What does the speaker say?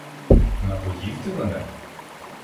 - Напоїв ти мене?